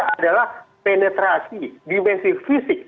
adalah penetrasi dimensi fisik